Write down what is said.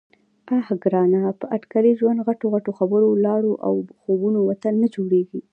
_اه ګرانه! په اټکلي ژوند، غټو غټو خبرو، لاړو او خوبونو وطن نه جوړېږي.